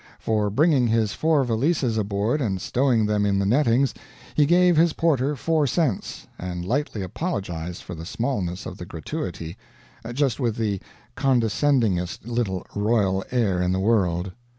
For bringing his four valises aboard and stowing them in the nettings, he gave his porter four cents, and lightly apologized for the smallness of the gratuity just with the condescendingest little royal air in the world.